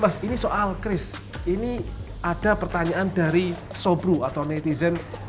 mas ini soal kris ini ada pertanyaan dari sobru atau netizen